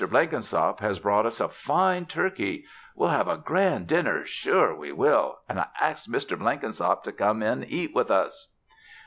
Blenkinsop has brought us a fine turkey. We'll have a gran' dinner sure we will an' I axed Mr. Blenkinsop to come an' eat with us."